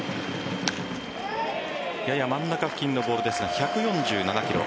やや真ん中付近のボールですが１４７キロ。